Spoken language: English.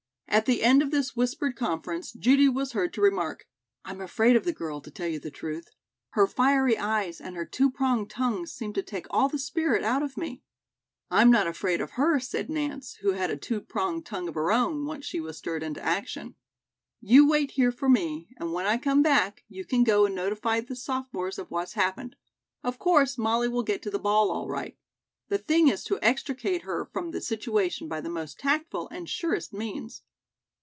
At the end of this whispered conference, Judy was heard to remark: "I'm afraid of the girl, to tell you the truth. Her fiery eyes and her two pronged tongue seem to take all the spirit out of me." "I'm not afraid of her," said Nance, who had a two pronged tongue of her own, once she was stirred into action. "You wait here for me, and when I come back, you can go and notify the sophomores of what's happened. Of course, Molly will get to the ball all right. The thing is to extricate her from the situation by the most tactful and surest means."